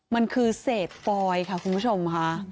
มันคือเศษปอยค่ะคุณผู้ชมค่ะ